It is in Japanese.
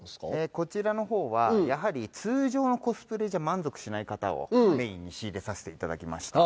こちらの方はやはり通常のコスプレじゃ満足しない方をメインに仕入れさせて頂きました。